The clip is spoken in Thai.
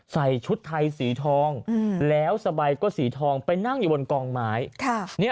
ใส่ชุดไทยสีทองแล้วสบายก็สีทองไปนั่งอยู่บนกองไม้